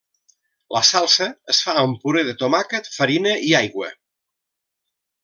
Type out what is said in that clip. La salsa es fa amb puré de tomàquet, farina i aigua.